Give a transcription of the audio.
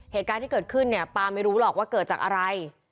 เหตุการณ์ที่เกิดขึ้นเนี่ยป้าไม่รู้หรอกว่าเกิดจากอะไร